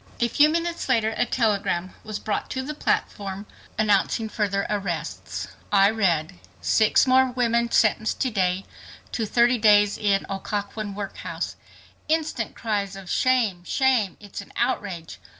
A few minutes later a telegram was brought to the platform announcing further arrests. I read: "Six more women sentenced to day to 30 days in Occoquan workhouse." Instant cries of "Shame! Shame! It's an outrage!"